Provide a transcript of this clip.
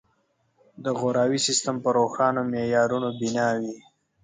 د غوراوي سیستم په روښانو معیارونو بنا وي.